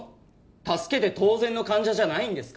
助けて当然の患者じゃないんですか？